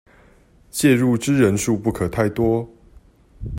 介入之人數不可太多